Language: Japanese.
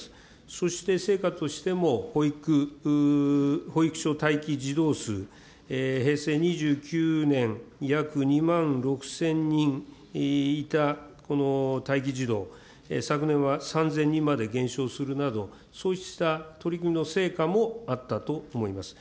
そして成果としても、保育所待機児童数、平成２９年、約２万６０００人いた待機児童、昨年は３０００人まで減少するなど、そうした取り組みの成果もあったと思います。